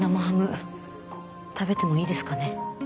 食べてもいいですかね？